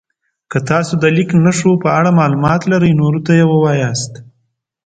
که تاسو د لیک نښو په اړه معلومات لرئ نورو ته یې ووایاست.